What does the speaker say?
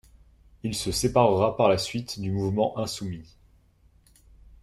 Il se séparera par la suite du mouvement insoumis.